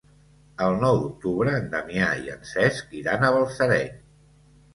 El nou d'octubre en Damià i en Cesc iran a Balsareny.